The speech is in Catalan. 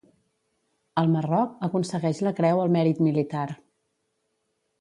Al Marroc aconsegueix la creu al mèrit militar.